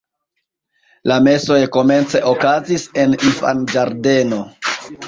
La mesoj komence okazis en infanĝardeno.